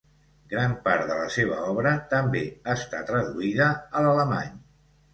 Gran part de la seva obra també està traduïda a l'alemany.